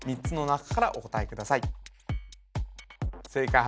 ３つの中からお答えください